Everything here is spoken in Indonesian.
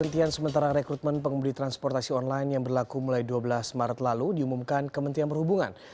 penghentian sementara rekrutmen pengemudi transportasi online yang berlaku mulai dua belas maret lalu diumumkan kementerian perhubungan